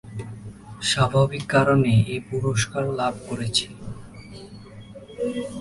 স্বাভাবিক কারণেই এ পুরস্কার লাভ করেছি।